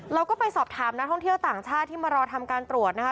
เราก็ไปสอบถามนักท่องเที่ยวต่างชาติที่มารอทำการตรวจนะคะ